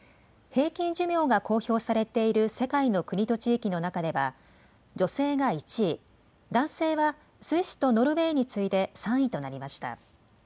平均寿命が公表されている世界の国と地域の中では女性が１位、男性はスイスとノルウェーに次いで３位となりました。